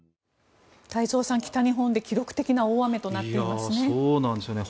太蔵さん、北日本で記録的な大雨になっていますね。